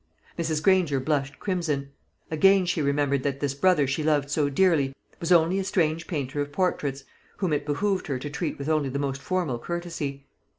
Mrs. Granger blushed crimson; again she remembered that this brother she loved so dearly was only a strange painter of portraits, whom it behoved her to treat with only the most formal courtesy.